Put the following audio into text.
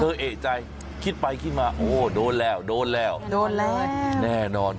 เอกใจคิดไปคิดมาโอ้โดนแล้วโดนแล้วโดนแล้วแน่นอน